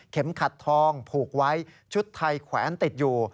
ขัดทองผูกไว้ชุดไทยแขวนติดอยู่